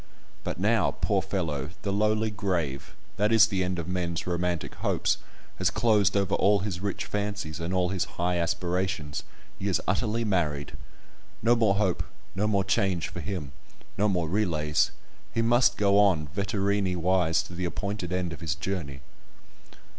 But now, poor fellow! the lowly grave, that is the end of men's romantic hopes, has closed over all his rich fancies, and all his high aspirations; he is utterly married! No more hope, no more change for him—no more relays—he must go on Vetturini wise to the appointed end of his journey!